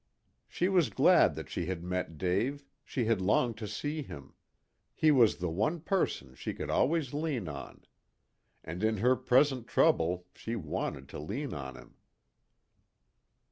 She was glad that she had met Dave; she had longed to see him. He was the one person she could always lean on. And in her present trouble she wanted to lean on him.